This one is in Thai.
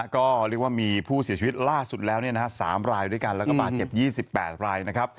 ก็เรียกว่ามีผู้เสียชีวิตล่าสุดแล้ว๓รายด้วยกันแล้วก็บาดเจ็บ๒๘รายนะครับ